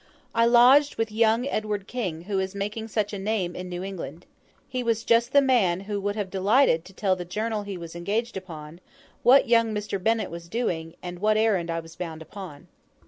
I lodged with young Edward King, who is making such a name in New England. He was just the man who would have delighted to tell the journal he was engaged upon what young Mr. Bennett was doing, and what errand I was bound upon.